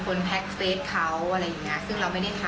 ก่อนหน้าที่จะเข้าปั๊มมันมีเหตุการณ์อะไรมั้ยค่ะ